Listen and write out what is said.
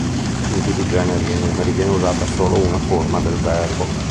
In tutti i generi e numeri viene usata solo una forma del verbo.